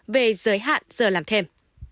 về giới hạn giờ làm thêm